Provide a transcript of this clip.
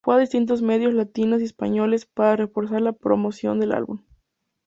Fue a distintos medios latinos y españoles para reforzar la promoción del álbum.